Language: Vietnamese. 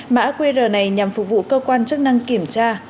mã qr này nhằm phục vụ cơ quan chức năng kiểm tra